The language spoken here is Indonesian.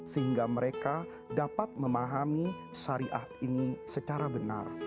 sehingga mereka dapat memahami syariat ini secara benar